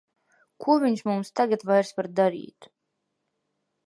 Ko viņš mums tagad vairs var darīt!